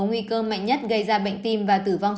nguy cơ mạnh nhất gây ra bệnh tim và tử vong